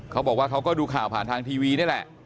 เขาบอกว่าเขาก็ดูข่าวภายถั่งทีวีเนี่ยแหละ